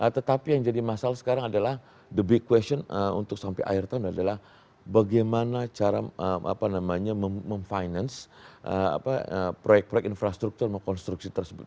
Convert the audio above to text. tetapi yang jadi masalah sekarang adalah the big question untuk sampai akhir tahun adalah bagaimana cara memfinance proyek proyek infrastruktur dan konstruksi tersebut